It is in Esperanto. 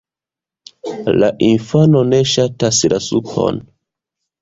La infano ne ŝatas la supon.